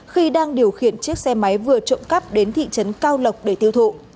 khi đang điều khiển chiếc xe máy vừa trộm cắp đến thị trấn cao lộc để tiêu thụ